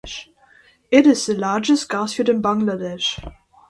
It is the largest gas field in Bangladesh.